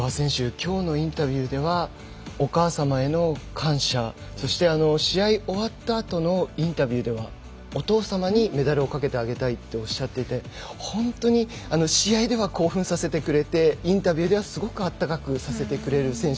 きょうのインタビューではお母様への感謝そして試合終わったあとのインタビューではお父様にメダルをかけてあげたいっておっしゃっていて本当に試合では興奮させてくれてインタビューではすごく温かくさせてくれる選手